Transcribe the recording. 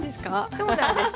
そうなんです。